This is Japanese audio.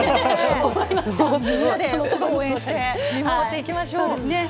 みんなで応援して見守っていきましょう。